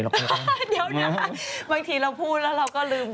เดี๋ยวนะสักเดียวนะคะบางทีเราพูดแล้วเราก็ลืมตัว